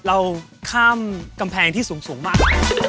เราข้ามกำแพงที่สูงมาก